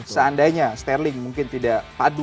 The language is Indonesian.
seandainya sterling mungkin tidak bisa melakukan hal ini ya